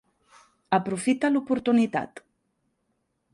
Aprofita l'oportunitat